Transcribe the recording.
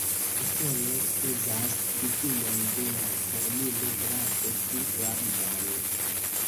Usono uzas difinon de la termino grave pli larĝan.